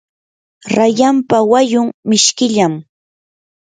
rayanpa wayun mishkillam.